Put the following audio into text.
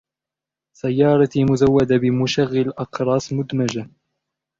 سيارتي مزودة بمشغل أقراص مدمجة.